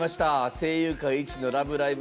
声優界一の「ラブライブ！」